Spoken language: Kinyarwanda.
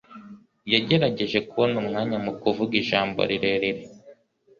Yagerageje kubona umwanya mukuvuga ijambo rirerire.